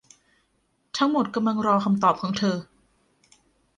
ทั้งหมดกำลังรอคำตอบของเธอ